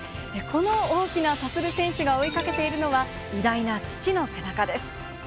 この大きな立選手が追いかけているのは、偉大な父の背中です。